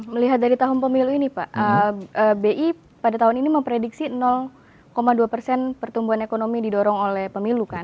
melihat dari tahun pemilu ini pak bi pada tahun ini memprediksi dua persen pertumbuhan ekonomi didorong oleh pemilu kan